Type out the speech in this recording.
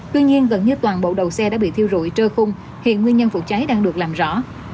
tuy nhiên gần như toàn bộ đầu xe đã bị thiêu rụi trơ khung hiện nguyên nhân phụ cháy đang được làm rõ